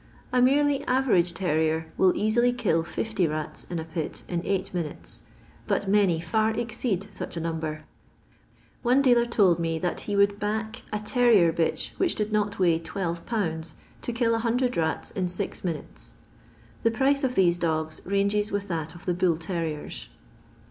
A merely average terrier will easily kill fifty rats in a pit in eight minutes, but many far exceed snch a number. One dealer told me that he vronld back a terrier bitch which did not weigh 12 lbs. to kill 100 raU in six minutes. The price of th^e dogs ranges with that of the buU terriers.